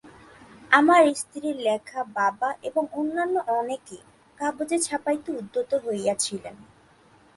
আমার স্ত্রীর লেখা বাবা এবং অন্যান্য অনেকে কাগজে ছাপাইতে উদ্যত হইয়াছিলেন।